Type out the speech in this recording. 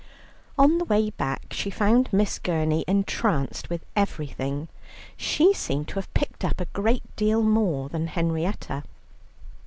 On the way back she found Miss Gurney entranced with everything; she seemed to have picked up a great deal more than Henrietta.